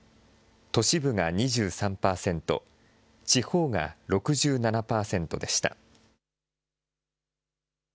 都市部が２３％、地方が６７％でした。